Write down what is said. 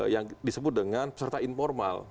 yang disebut dengan peserta informal